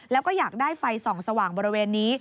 แล้วก็อยากได้ไฟส่องสว่างบริเวณนี้